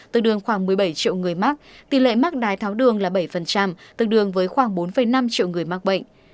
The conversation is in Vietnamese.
tương đương khoảng một mươi bảy triệu người mắc tỷ lệ mắc đái tháo đường là bảy tương đương với khoảng bốn năm triệu người mắc bệnh